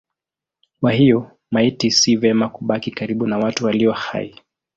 Kwa hiyo maiti si vema kubaki karibu na watu walio hai.